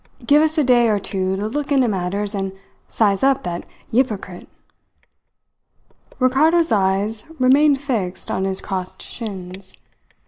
Give us a day or two to look into matters and size up that 'yporcrit." Ricardo's eyes remained fixed on his crossed shins.